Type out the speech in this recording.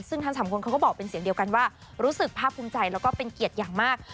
ซึ่งทั้งสามคนเขาก็บอกเป็นเสียงเดียวกันว่ารู้สึกภาพภูมิใจแล้วก็เป็นเกียรติอย่างมาก